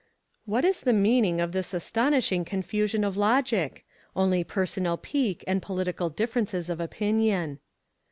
What is the meaning of this astonishing confusion of logic? Only personal pique and political differences of opinion.